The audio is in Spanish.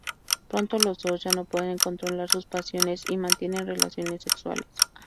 Pronto, los dos ya no pueden controlar sus pasiones y mantienen relaciones sexuales.